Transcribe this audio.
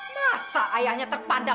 masa ayahnya terpandang